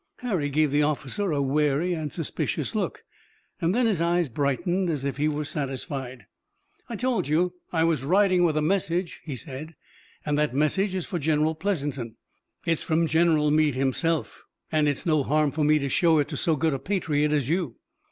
Harry gave the officer a wary and suspicious look, and then his eyes brightened as if he were satisfied. "I told you I was riding with a message," he said, "and that message is for General Pleasanton. It's from General Meade himself and it's no harm for me to show it to so good a patriot as you."